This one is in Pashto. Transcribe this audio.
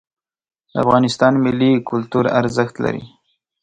د افغانستان ملي کلتور ارزښت لري.